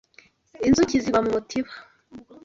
Inzuki ziba mu mutiba